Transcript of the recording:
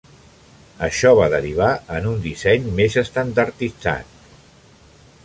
Això va derivar en un disseny més estandarditzat.